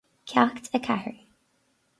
Ceacht a Ceathair